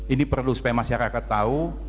ini perlu supaya masyarakat tahu